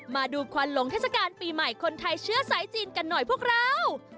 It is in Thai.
มาดูควันหลงเทศกาลปีใหม่คนไทยเชื้อสายจีนกันหน่อยพวกเรา